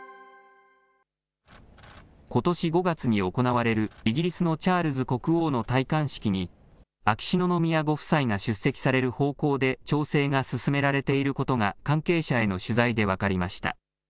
ことし５月に行われるイギリスのチャールズ国王の戴冠式に、秋篠宮ご夫妻が出席される方向で調整が進められていることが、関係者への取材で分かりました。